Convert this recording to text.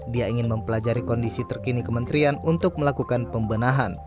dia ingin mempelajari kondisi terkini kementerian untuk melakukan pembenahan